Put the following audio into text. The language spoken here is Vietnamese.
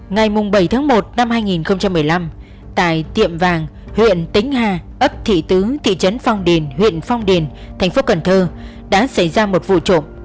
ngày bảy tháng một năm hai nghìn một mươi năm tại tiệm vàng huyện tính ha ấp thị tứ thị trấn phong đền huyện phong đền tp cần thơ đã xảy ra một vụ trộm